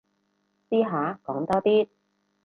試下講多啲